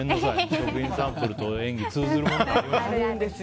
食品サンプルと演技通ずるものがありました。